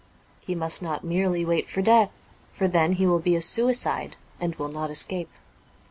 He must not merely wait for death, for then he will be a suicide, and will not escape.